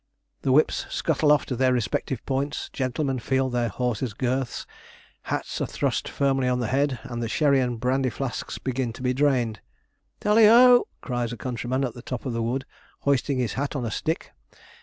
The whips scuttle off to their respective points, gentlemen feel their horses' girths, hats are thrust firmly on the head, and the sherry and brandy flasks begin to be drained. 'Tally ho!' cries a countryman at the top of the wood, hoisting his hat on a stick.